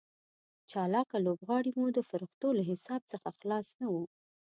چالاکه لوبغاړي مو د فرښتو له حساب څخه خلاص نه وو.